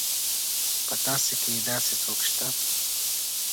په تاسي کې داسې څوک شته.